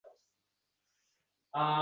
Ularga nekbinlik baxsh etdi